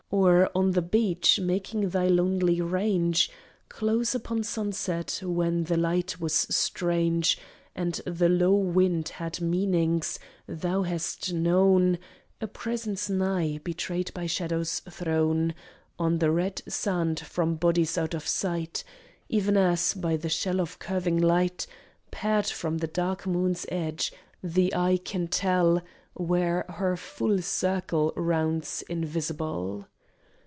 Or on the beach making thy lonely range, Close upon sunset, when the light was strange And the low wind had meanings, thou hast known A presence nigh, betrayed by shadows thrown On the red sand from bodies out of sight; Even as, by the shell of curving light Pared from the dark moon's edge, the eye can tell Where her full circle rounds invisible.